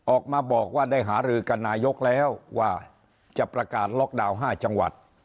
ออกมาบอกว่าได้หารือกับนายกแล้วว่าจะประกาศล็อกดาวน์๕จังหวัด